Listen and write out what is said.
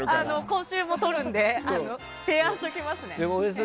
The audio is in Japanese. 今週も撮るので提案しておきますね。